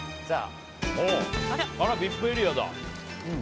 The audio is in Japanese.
あら、ＶＩＰエリアだ。